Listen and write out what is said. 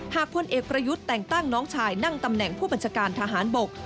พลเอกประยุทธ์แต่งตั้งน้องชายนั่งตำแหน่งผู้บัญชาการทหารบก